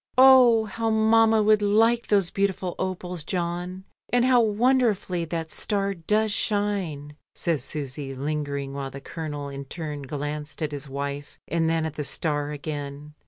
"Oh! how mamma would like those beautiful opals, John; and how wonderfully that star does shine," says Susy, lingering, while the Colonel in turn glanced at his wife and then at the star again.